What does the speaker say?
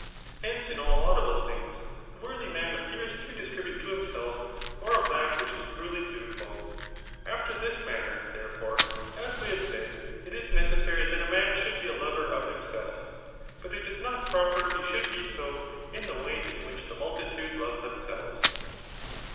Hence, in all laudable things, the worthy man appears to distribute to himself more of that which is truly beautiful. After this manner, therefore, as we have said, k is necessary that a man should be a lover of himself, but it is not proper he should be so in the way in which the multitude love tbemsehes.